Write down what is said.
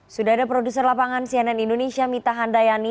sudah ada produser lapangan cnn indonesia mita handayani